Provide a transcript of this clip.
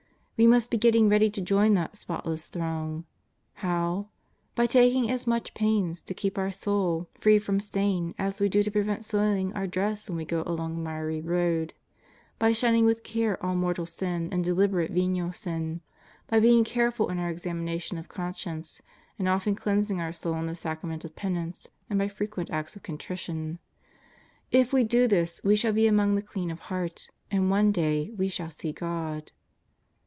We must be getting ready to join that spotless throng. How ? By taking as much pains to keep our soul free 204 JESUS OF NAZAEETH. from stain as we do to prevent soiling our dress when We go along a miry road; by shunning with care all mortal sin and deliberate venial sin; by beine: careful in our examination of conscience, and often cleansing our soul in the Sacrament of Penance, and by frequent acts of contrition. If we do this we shall be among the clean of heart, and one day we shall see God.